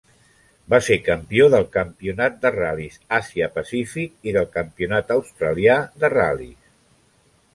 Va ser campió del Campionat de Ral·lis Àsia Pacífic i del campionat australià de ral·lis.